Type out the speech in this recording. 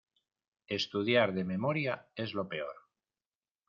Estudiar de memoria es lo peor.